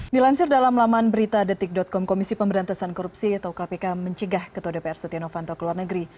dilansir dalam laman berita detik com komisi pemberantasan korupsi atau kpk mencegah ketua dpr setia novanto ke luar negeri